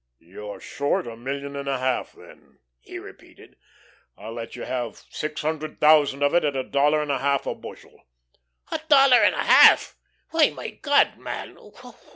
"You're short a million and a half, then," he repeated. "I'll let you have six hundred thousand of it at a dollar and a half a bushel." "A dollar and a half! Why, my God, man!